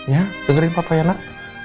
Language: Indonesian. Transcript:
ya dengerin papa ya nak